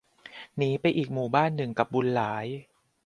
หนีไปอีกหมู่บ้านหนึ่งกับบุญหลาย